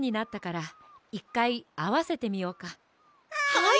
はい！